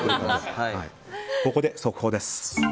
ここで速報です。